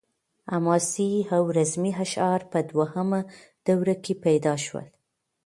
حماسي او رزمي اشعار په دویمه دوره کې پیدا شول.